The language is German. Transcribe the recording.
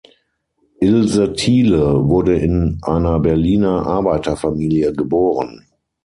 Ilse Thiele wurde in einer Berliner Arbeiterfamilie geboren.